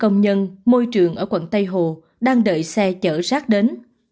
công nhân môi trường ở quận tây hồ đang đợi xe chở rác đến